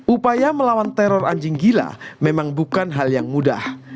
upaya melawan teror anjing gila memang bukan hal yang mudah